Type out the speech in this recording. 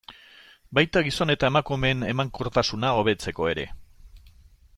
Baita gizon eta emakumeen emankortasuna hobetzeko ere.